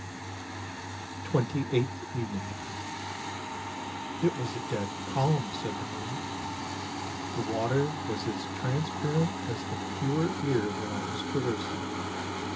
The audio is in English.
" TWENTY EIGHTH EVENING " It was a dead calm," said the moon; " the water was as transparent as the pure air that I was traversing.